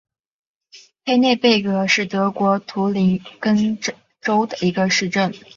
黑内贝格是德国图林根州的一个市镇。